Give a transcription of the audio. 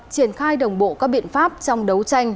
triển khai đồng bộ các biện pháp trong đấu tranh